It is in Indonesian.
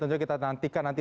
tentunya kita nantikan nanti